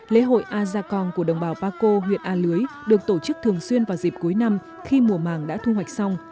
lễ hội a gia con của đồng bào paco huyện a lưới được tổ chức thường xuyên vào dịp cuối năm khi mùa màng đã thu hoạch xong